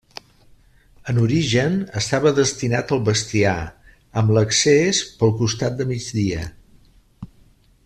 En origen estava destinat al bestiar, amb l'accés pel costat de migdia.